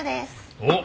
おっ！